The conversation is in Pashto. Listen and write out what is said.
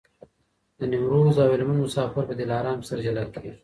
د نیمروز او هلمند مسافر په دلارام کي سره جلا کېږي.